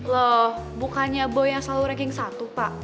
loh bukannya boy yang selalu ranking satu pak